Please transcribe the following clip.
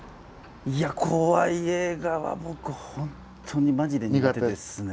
いや怖い映画は僕本当にマジで苦手ですね。